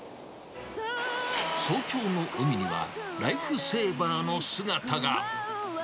早朝の海には、ライフセーバーの姿が。